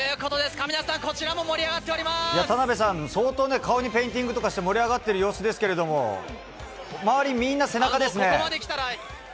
亀梨さん、こちらも盛り上がって田辺さん、相当ね、顔にペインティングとかして、盛り上がっている様子ですけれども、周りみんな背中ですね。